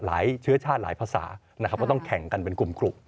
เชื้อชาติหลายภาษานะครับก็ต้องแข่งกันเป็นกลุ่ม